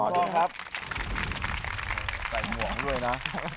ใส่หงวงด้วยนะ